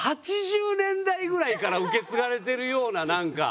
８０年代ぐらいから受け継がれてるようななんか。